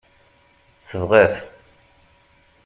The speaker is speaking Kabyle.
Tebɣa-t.